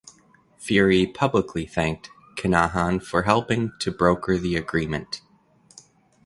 Fury publicly thanked Kinahan for helping to broker the agreement.